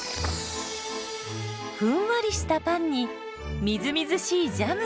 ふんわりしたパンにみずみずしいジャム。